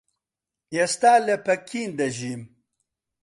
ئێستا لە پەکین دەژیم.